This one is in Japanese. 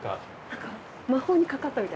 何か魔法にかかったみたい。